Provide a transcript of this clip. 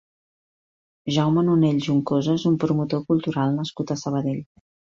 Jaume Nonell Juncosa és un promotor cultural nascut a Sabadell.